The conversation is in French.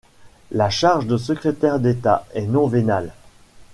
La charge de secrétaire d'État est non vénale.